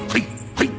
はい！